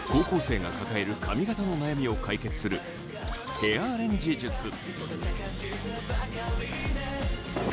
高校生が抱える髪形の悩みを解決する、ヘアアレンジ術。